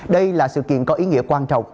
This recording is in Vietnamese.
đây là sự kiện có ý nghĩa quan trọng